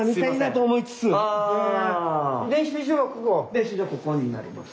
練習場ここになります。